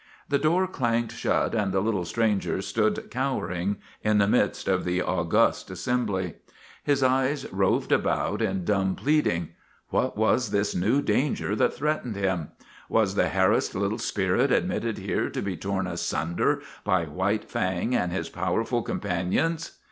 The big door clanged shut and the little stranger 70 MAGINNIS stood cowering in the midst of the august assem blage. His eyes roved about in dumb pleading. What was this new danger that threatened him? Was the harassed little spirit admitted here to be torn asunder by White Fang and his powerful com panions